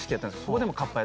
そこでも。